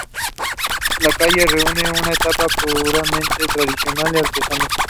La calle reúne una estampa puramente tradicional y artesana.